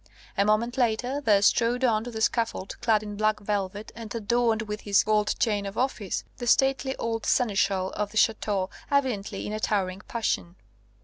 A moment later, there strode on to the scaffold, clad in black velvet, and adorned with his gold chain of office, the stately old seneschal of the Ch√¢teau, evidently in a towering passion.